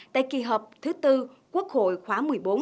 tại kỳ họp thứ tư quốc hội khóa một mươi bốn